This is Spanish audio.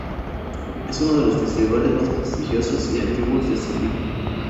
Es uno de los festivales más prestigiosos y antiguos de este tipo.